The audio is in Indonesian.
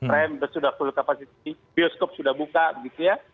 rem sudah full capacity bioskop sudah buka begitu ya